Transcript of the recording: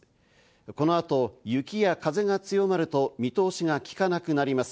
この後、雪や風が強まると見通しがきかなくなります。